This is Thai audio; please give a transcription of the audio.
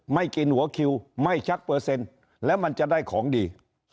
ไม่กินหัวคิวไม่ชักเปอร์เซ็นต์แล้วมันจะได้ของดี